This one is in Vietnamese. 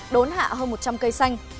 đốn hạ hơn một trăm linh cây xanh